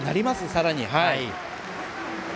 さらに。